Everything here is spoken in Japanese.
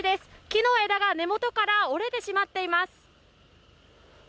木の枝が根元から折れてしまっています。